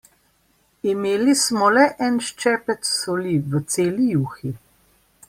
Imeli smo le en ščepec soli v celi juhi.